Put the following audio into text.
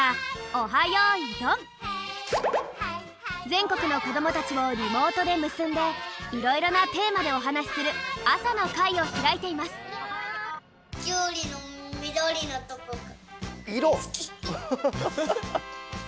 ぜんこくのこどもたちをリモートでむすんでいろいろなテーマでおはなしする朝の会をひらいていますいろ？